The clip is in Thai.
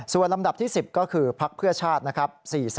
ส่วนลำดับที่๑๐ก็คือพักเพื่อชาตินะครับ